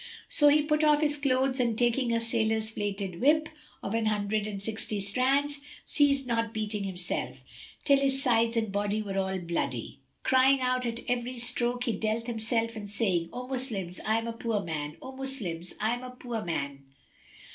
So he put off his clothes and taking a sailor's plaited whip, of an hundred and sixty strands, ceased not beating himself, till his sides and body were all bloody, crying out at every stroke he dealt himself and saying "O Moslems! I am a poor man! O Moslems, I am a poor man!